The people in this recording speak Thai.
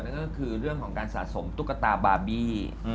นั่นก็คือเรื่องของการสะสมตุ๊กตาบาร์บี้